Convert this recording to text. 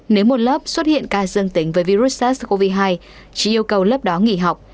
nếu một lớp xuất hiện ca dương tính với virus sars cov hai chỉ yêu cầu lớp đó nghỉ học